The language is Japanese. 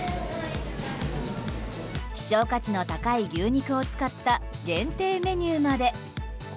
希少価値の高い牛肉を使った限定メニューまで。